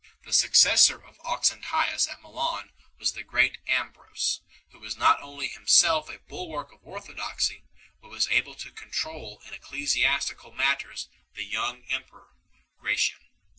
The successor of Auxentius at Milan was the great Ambrose, who was not only himself a bulwark of orthodoxy, but was able to control in ecclesiastical matters the young emperor Gratian.